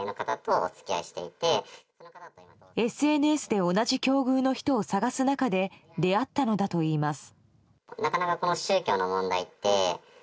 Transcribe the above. ＳＮＳで同じ境遇の人を探す中で出会ったのだといいます。